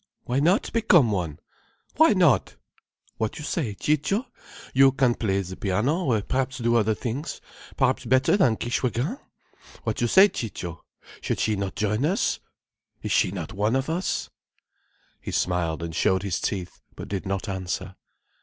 Why not become one? Why not? What you say, Ciccio? You can play the piano, perhaps do other things. Perhaps better than Kishwégin. What you say, Ciccio, should she not join us? Is she not one of us?" He smiled and showed his teeth but did not answer.